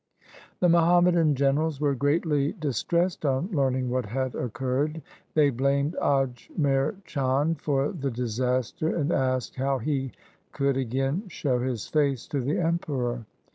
The Muhammadan generals were greatly dis tressed on learning what had occurred. They blamed Ajmer Chand for the disaster, and asked how he could again show his face to the Emperor.